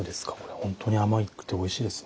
本当に甘くておいしいですね。